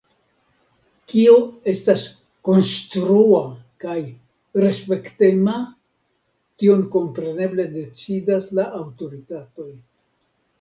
Kio estas “konstrua” kaj “respektema”, tion kompreneble decidas la aŭtoritatoj.